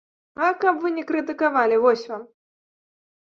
А каб вы не крытыкавалі, вось вам!